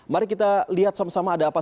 mari kita lihat sama sama ada apa